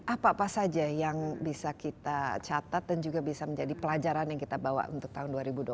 apa apa saja yang bisa kita catat dan juga bisa menjadi pelajaran yang kita bawa untuk tahun dua ribu dua puluh satu